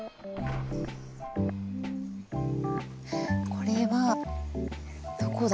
これはどこだろう？